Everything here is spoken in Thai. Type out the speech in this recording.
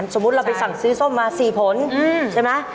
สมมุติเราไปสั่งซื้อส้มมา๔ผลใช่ไหม